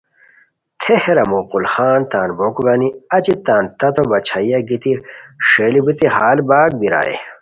تھے ہیرار مغل خان تان بوکو گانی اچی تان تتو باچھائیہ گیتی ݰئیلی بیتی ہال بیکا پرائے